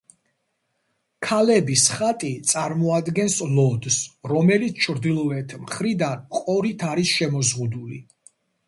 ქალების ხატი წარმოადგენს ლოდს, რომელიც ჩრდილოეთ მხრიდან ყორით არის შემოზღუდული.